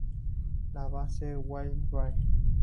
La Basse-Vaivre